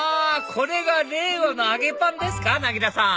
これが令和の揚げパンですかなぎらさん